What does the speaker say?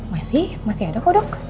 masih masih ada kok dok